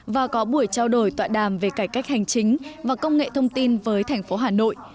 và có buổi trao đổi tọa đàm về cải cách hành chính và công nghệ thông tin với thành phố hà nội